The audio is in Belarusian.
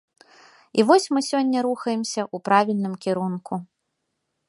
І вось мы сёння рухаемся ў правільным кірунку.